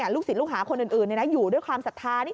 ลูกศิษย์ลูกหาคนอื่นอยู่ด้วยความศรัทธานี่